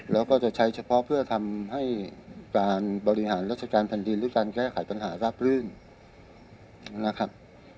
แล้วก็จะใช้เฉพาะเพื่อทำให้การบริหารราชการแผ่นดินหรือการแก้ไขปัญหาราบลื่นนะครับ